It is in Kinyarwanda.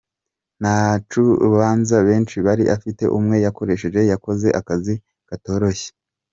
Nta bacuranzi benshi yari afite, umwe yakoresheje yakoze akazi katoroshye.